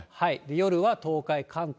夜は東海、関東。